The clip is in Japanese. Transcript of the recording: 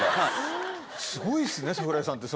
すごいっすね櫻井さんって。